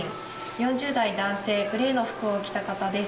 ４０代男性、グレーの服を着た方です。